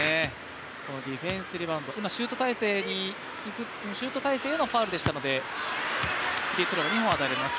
ディフェンス、リバウンド、シュート体勢へのファウルでしたのでフリースローが２本与えられます。